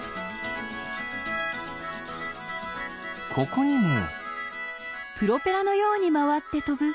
ここにも？